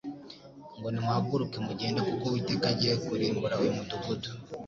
ngo : "Nimuhaguruke mugende kuko Uwiteka agiye kurimbura uyu mudugudu.